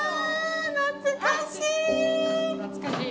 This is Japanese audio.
懐かしい！